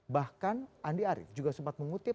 bahkan andi arief juga sempat mengutip